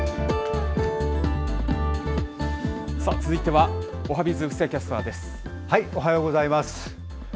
続いてはおはＢｉｚ、おはようございます。